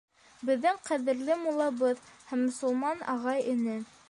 — Беҙҙең ҡәҙерле муллабыҙ һәм мосолман ағай-эне!